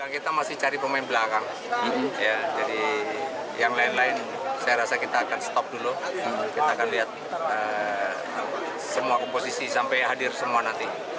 kita akan lihat semua komposisi sampai hadir semua nanti